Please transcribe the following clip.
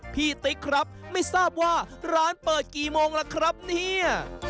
ติ๊กครับไม่ทราบว่าร้านเปิดกี่โมงล่ะครับเนี่ย